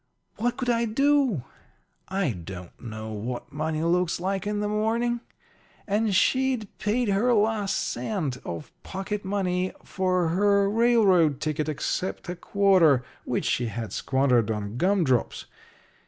"What could I do? I don't know what money looks like in the morning. And she'd paid her last cent of pocket money for her railroad ticket except a quarter, which she had squandered on gum drops.